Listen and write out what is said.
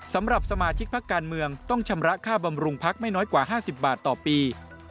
สำหรับสมาชิกพักการเมืองต้องชำระค่าบำรุงพักไม่น้อยกว่า๕๐บาทต่อปี